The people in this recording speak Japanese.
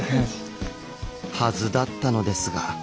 はずだったのですが。